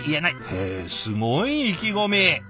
へえすごい意気込み。